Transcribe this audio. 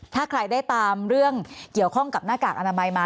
ถ้าใครได้ตามเรื่องเกี่ยวข้องกับหน้ากากอนามัยมา